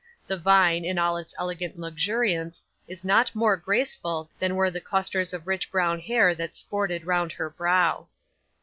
The vine, in all its elegant luxuriance, is not more graceful than were the clusters of rich brown hair that sported round her brow.